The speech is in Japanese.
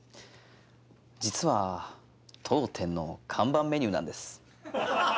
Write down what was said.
実は当店の看板メニューなんです。